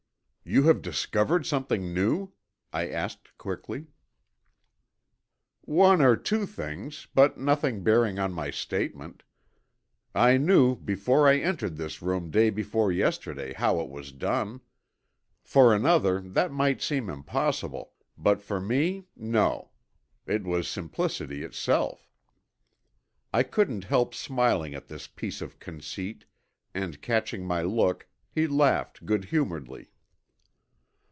"You have discovered something new?" I asked quickly. "One or two things, but nothing bearing on my statement. I knew before I entered this room day before yesterday how it was done. For another that might seem impossible, but for me, no. It was simplicity itself." I couldn't help smiling at this piece of conceit and catching my look he laughed good humoredly.